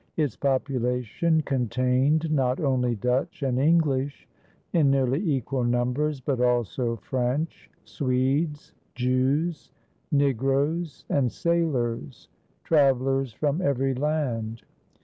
Its population contained not only Dutch and English in nearly equal numbers, but also French, Swedes, Jews, Negroes, and sailors, travelers from every land.